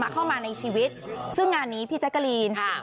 เข้ามาในชีวิตซึ่งอันนี้พี่ใจกรีน